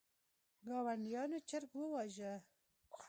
ګاونډیانو چرګ وواژه.